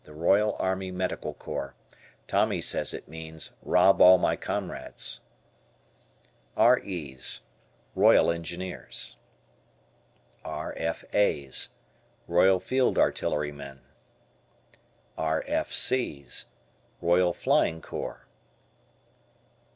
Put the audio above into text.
Royal Army Medical Corps. Tommy says it means "Rob All My Comrades." R.E.'s. Royal Engineers. R.F.A.'s. Royal Field Artillery men. R.F.C.'s. Royal Plying Corps.